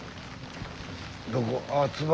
どこ？